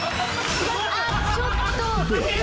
あっちょっと。